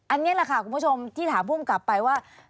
อันนี้แหละค่ะคุณผู้ชมที่ถามภูมิกลับไปว่า